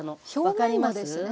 分かります？